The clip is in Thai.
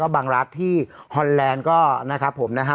บางรักที่ฮอนแลนด์ก็นะครับผมนะฮะ